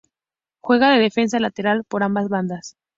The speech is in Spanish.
Juega de defensa lateral por ambas bandas.